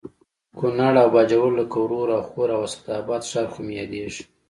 کونړ او باجوړ لکه ورور او خور او اسداباد ښار خو مې یادېږي